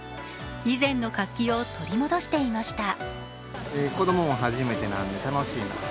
以前の活気を取り戻していました。